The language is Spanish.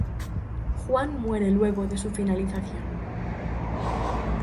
Juan muere luego de su finalización.